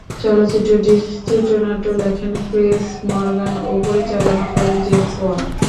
চলচ্চিত্রটির চিত্রনাট্য লেখেন ক্রিস মর্গান ও পরিচালনা করেন জেমস ওয়ান।